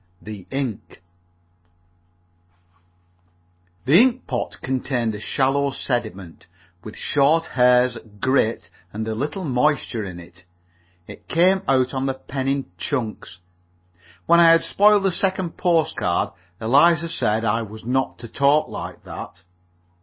THE INK The ink pot contained a shallow sediment, with short hairs, grit, and a little moisture in it. It came out on the pen in chunks. When I had spoiled the second postcard, Eliza said I was not to talk like that.